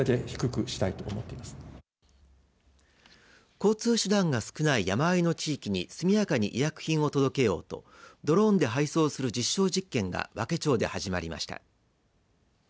交通手段が少ない山あいの地域に速やかに医薬品を届けようとドローンで配送する実証実験が和気町で始まりました。